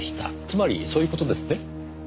つまりそういう事ですね？